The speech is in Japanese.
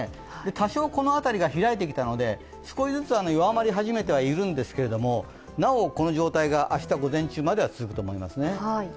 多少この辺りが開いてきたので、少しずつ弱まり始めてはいるんですけど、なおこの状態が明日午前中まで続くと思います。